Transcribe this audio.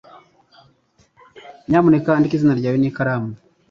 Nyamuneka andika izina ryawe n'ikaramu.